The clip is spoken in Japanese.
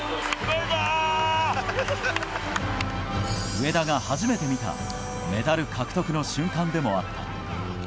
上田が初めて見たメダル獲得の瞬間でもあった。